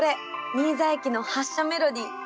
新座駅の発車メロディー！